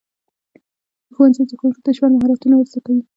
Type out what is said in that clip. ښوونځی زده کوونکو ته د ژوند مهارتونه ورزده کوي.